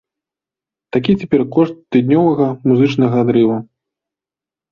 Такі цяпер кошт тыднёвага музычнага адрыву.